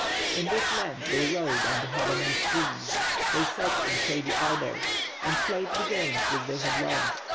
In this land they rowed on the heavenly streams, they sat in shady arbours, and played the games which they had loved.